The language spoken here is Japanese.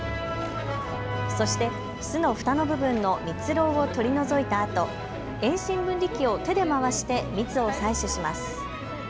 そして巣のふたの部分の蜜ろうを取り除いたあと遠心分離器を手で回して蜜を採取します。